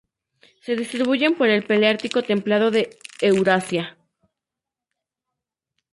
Se distribuyen por el paleártico templado de Eurasia.